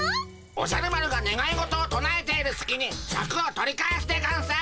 おじゃる丸がねがい事をとなえているすきにシャクを取り返すでゴンス。